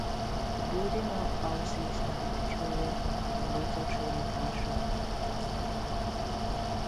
The building now houses an auditorium, simulator training classroom and mess hall.